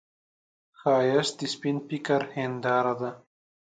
ښایست د سپين فکر هنداره ده